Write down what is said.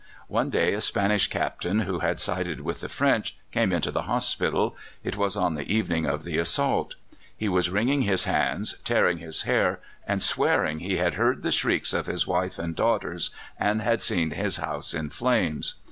One day a Spanish Captain who had sided with the French came into the hospital it was on the evening of the assault. He was wringing his hands, tearing his hair, and swearing he had heard the shrieks of his wife and daughters, and had seen his house in flames.